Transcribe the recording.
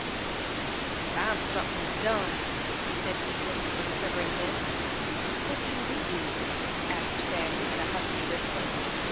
"It's time sunthin' was did," said Ethan, with quivering lips. "What can we do?" asked Fanny, in a husky whisper.